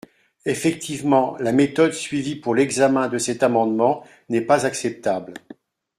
Effectivement, la méthode suivie pour l’examen de cet amendement n’est pas acceptable.